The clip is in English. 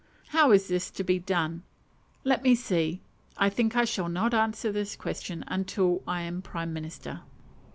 How is this to be done? Let me see. I think I shall not answer this question until I am prime minister.